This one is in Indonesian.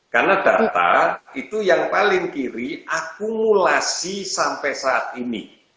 karena data itu yang paling kiri akumulasi sampai saat ini